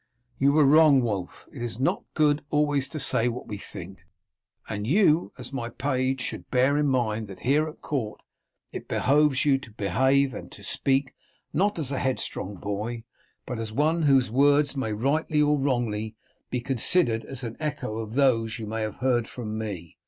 "You were wrong, Wulf; it is not good always to say what we think; and you, as my page, should bear in mind that here at court it behoves you to behave and to speak not as a headstrong boy, but as one whose words may, rightly or wrongly, be considered as an echo of those you may have heard from me.